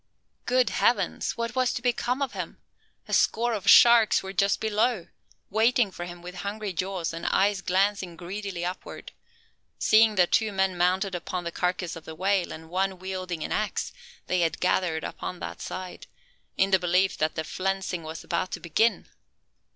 Good heavens! what was to become of him? A score of sharks were just below, waiting for him with hungry jaws, and eyes glancing greedily upward. Seeing the two men mounted upon the carcass of the whale, and one wielding an axe, they had gathered upon that side, in the belief that the flensing was about to begin!